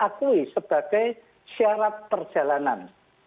akui sebagai syarat perjalanan